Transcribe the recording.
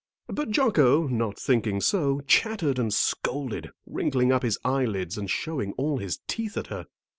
But Jocko, not thinking so, chattered and scolded, wrinkling up his eyelids and showing all his teeth at her.